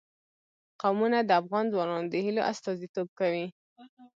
قومونه د افغان ځوانانو د هیلو استازیتوب کوي.